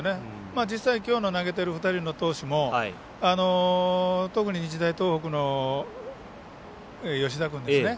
実際きょう投げてる２人の投手も特に日大東北の吉田君ですね。